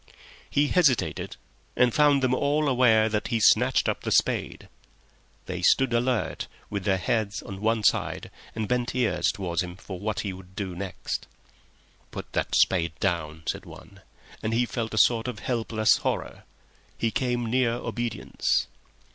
He hesitated, and found them all aware that he had snatched up the spade. They stood all alert, with their heads on one side, and bent ears towards him for what he would do next. "Put that spade down," said one, and he felt a sort of helpless horror. He came near obedience.